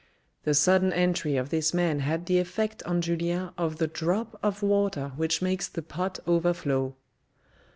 The sudden entry of this man had the effect on Julien of the drop of water which makes the pot overflow.